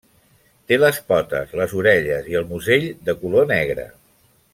Té les potes, les orelles i el musell de color negre.